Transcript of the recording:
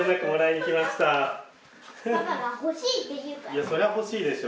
いやそりゃほしいでしょ。